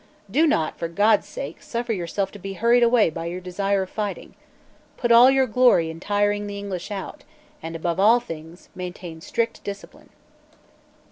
"Do not, for God's sake, suffer yourself to be hurried away by your desire of fighting. Put all your glory in tiring the English out; and, above all things, maintain strict discipline."